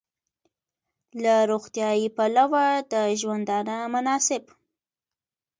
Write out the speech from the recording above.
له روغتیايي پلوه د ژوندانه مناسب